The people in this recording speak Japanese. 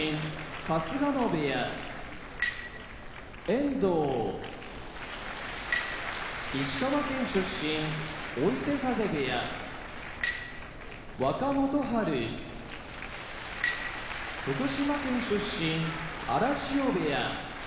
遠藤石川県出身追手風部屋若元春福島県出身荒汐部屋